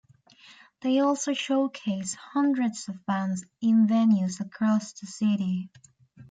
They also showcased hundreds of bands in venues across the city.